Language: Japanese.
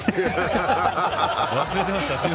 忘れていました！